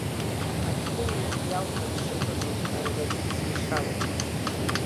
Ашәҟәыҩҩы Иалта дшыҟаз ауп ареволиуциа ишалагаз.